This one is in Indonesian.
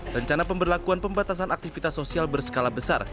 rencana pemberlakuan pembatasan aktivitas sosial berskala besar